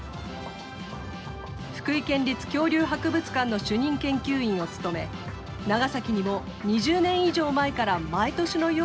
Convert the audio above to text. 福井県立恐竜博物館の主任研究員を務め長崎にも２０年以上前から毎年のように調査に訪れています。